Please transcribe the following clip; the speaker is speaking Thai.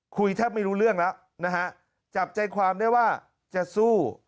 แทบไม่รู้เรื่องแล้วนะฮะจับใจความได้ว่าจะสู้